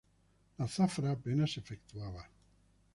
La zafra apenas se efectuaba.